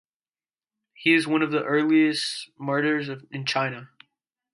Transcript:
He is one of the earliest Martyrs in China.